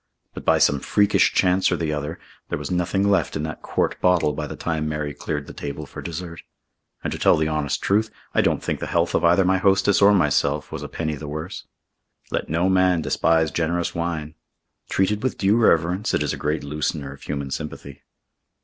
But by some freakish chance or the other, there was nothing left in that quart bottle by the time Mary cleared the table for dessert. And to tell the honest truth, I don't think the health of either my hostess or myself was a penny the worse. Let no man despise generous wine. Treated with due reverence it is a great loosener of human sympathy.